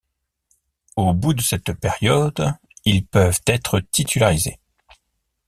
Au bout de cette période, ils peuvent être titularisés.